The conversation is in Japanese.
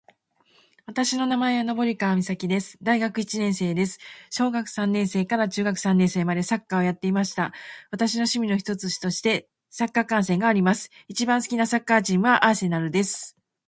私の名前は登川岬です。大学一年生です。小学三年生から中学三年生までサッカーをやっていました。私の趣味の一つとしてサッカー観戦があります。一番好きなサッカーチームは、アーセナルです。